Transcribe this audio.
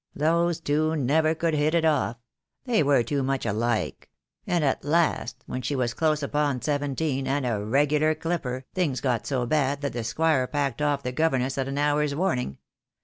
Those two never could hit it off. They were too much alike; and at last, when she was close upon seventeen, and a regular clipper, things got so bad that the Squire packed off the governess at an hour's warning.